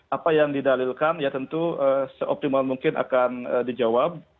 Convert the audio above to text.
apa yang didalilkan ya tentu seoptimal mungkin akan dijawab